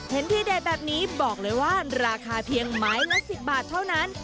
ที่เด็ดแบบนี้บอกเลยว่าราคาเพียงไม้ละ๑๐บาทเท่านั้น